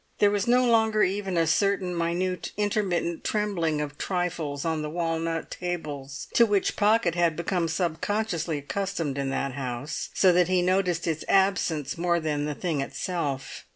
There was no longer even a certain minute intermittent trembling of trifles on the walnut tables, to which Pocket had become subconsciously accustomed in that house, so that he noticed its absence more than the thing itself.